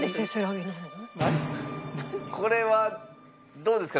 これはどうですか？